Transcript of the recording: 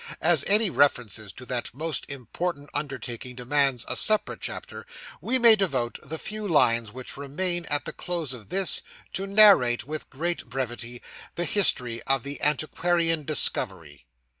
As any references to that most important undertaking demands a separate chapter, we may devote the few lines which remain at the close of this, to narrate, with great brevity, the history of the antiquarian discovery.